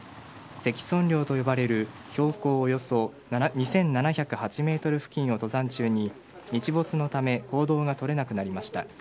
石尊稜と呼ばれる標高およそ２７０８メートル付近を登山中に、日没のため行動が取れなくなりました。